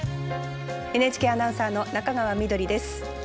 ＮＨＫアナウンサーの中川緑です。